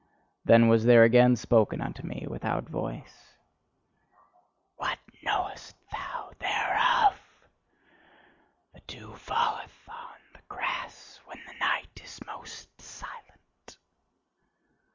Then was there again spoken unto me without voice: "What knowest thou THEREOF! The dew falleth on the grass when the night is most silent."